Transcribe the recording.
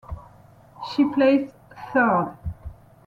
She placed third.